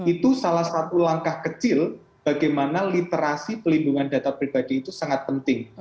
itu salah satu langkah kecil bagaimana literasi pelindungan data pribadi itu sangat penting